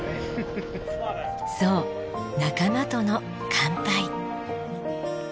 そう仲間との乾杯。